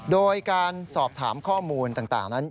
โดยการสอบถามข้อมูลต่างนั้น